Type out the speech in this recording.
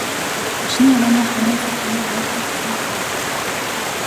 Зочны өрөөний ханын цаг шөнийн хоёр цаг болсныг дохиолов.